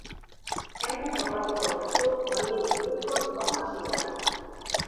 Hemen topatuko duzu horiei buruzko informazioa.